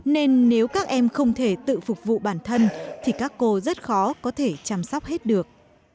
nên nếu các em không thể tự phục vụ bản thân thì các cô rất khó có thể chăm sóc hết được